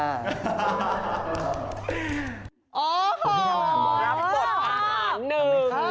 โอ้โหรับบทอาหารหนึ่ง